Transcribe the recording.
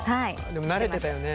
でも慣れてたよね。